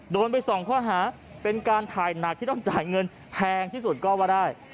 โดนไป๒ข้อหาเป็นการถ่ายหนักที่ต้องจ่ายเงินแพงที่สุดก็ว่าได้